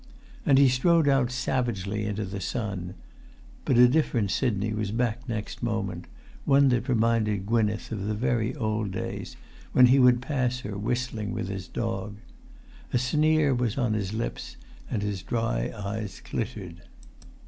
And he strode out savagely into the sun; but a different Sidney was back next moment, one that reminded Gwynneth of the very old days, when he would pass her whistling with his dog. A sneer was on his lips, and his dry eyes glittered.